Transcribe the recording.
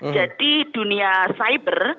jadi dunia cyber